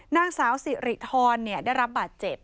นางสาวสิริธรได้รับบาดเจ็บ